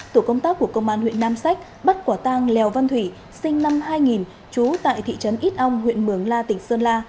tổ công tác của công an huyện nam sách bắt quả tang lèo văn thủy sinh năm hai nghìn trú tại thị trấn ít ong huyện mường la tỉnh sơn la